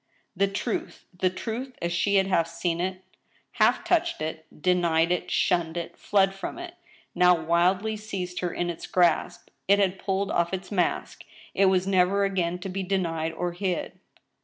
The truth — ^the truth as she had half seen it, half touched it. 220 ^^^ STEEL HAMMER, denied it, shunned it, fled from it— now wildly seized her in its grasp, it had pulled off its mask. It was never again to be denied or hid!